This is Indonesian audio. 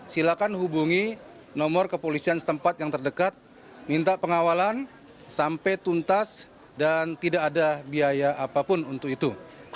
silakan hubungi nomor kepolisian setempat yang terdekat minta pengawalan sampai tuntas dan tidak ada biaya apapun untuk itu